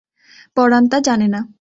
পরাণ তা জানে না।